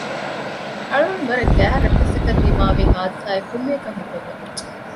އަޅުގަނޑުގެ ވަރަށް ގާތް ރައްޓެއްސަކަށް ދިމާވި ހާދިސާއެއް ކުއްލިއަކަށް ހިތަށް ވަދެއްޖެ